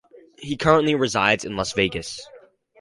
He currently resides in Las Vegas.